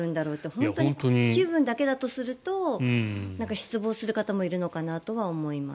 本当に気分だけだとすると失望する方もいるのかなと思います。